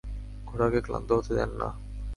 ঘোড়াকে ক্লান্ত হতে দেন না।